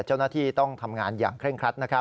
เจ้าหน้าที่ต้องทำงานอย่างเคร่งครัดนะครับ